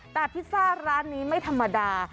แต่พิซซ่าร้านนี้ไม่ธรรมดา